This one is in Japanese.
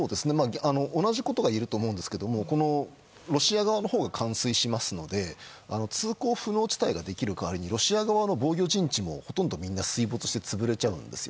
同じことが言えると思いますがロシア側のほうが冠水しますので通行不能地帯ができる代わりにロシア側の防御陣地もほとんどみんな水没して潰れちゃうんです。